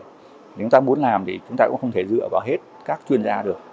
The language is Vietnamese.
nếu chúng ta muốn làm thì chúng ta cũng không thể dựa vào hết các chuyên gia được